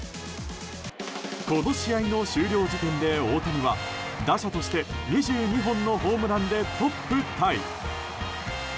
この試合の終了時点で大谷は打者として２２本のホームランでトップタイ。